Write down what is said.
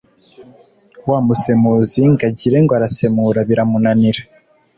wamusemuzi ngo agire ngo arasemura biramunanira